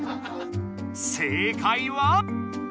正解は？